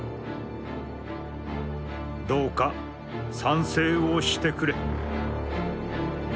「どうか賛成をして呉れ」。